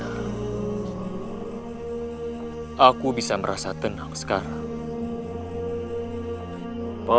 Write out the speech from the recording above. saya merasa tenang sekarang